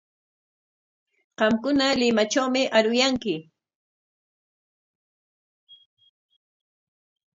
Qamkuna Limatrawmi aruyanki.